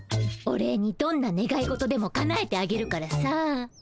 お礼にどんなねがい事でもかなえてあげるからさ。